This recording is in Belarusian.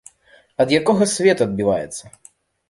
Ад якога свет адбіваецца.